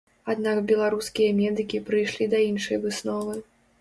Аднак беларускія медыкі прыйшлі да іншай высновы.